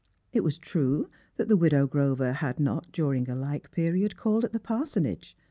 It was true that the iWidow Grover had not, during a like period, called at the parsonage.